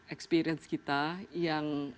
experience kita yang